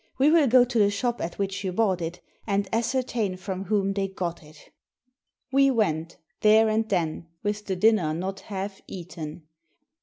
We will go to the shop at which you bought it, and ascertain from whom they got if* We went, there and then, with the dinner not half eaten.